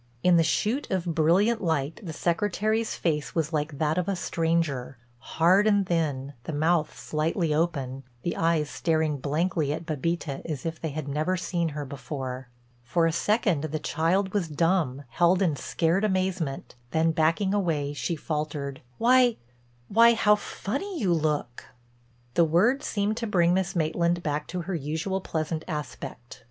In the shoot of brilliant light the Secretary's face was like that of a stranger—hard and thin, the mouth slightly open, the eyes staring blankly at Bébita as if they had never seen her before. For a second the child was dumb, held in a scared amazement, then backing away she faltered: "Why—why—how funny you look!" The words seemed to bring Miss Maitland back to her usual, pleasant aspect.